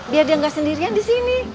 biar dia nggak sendirian di sini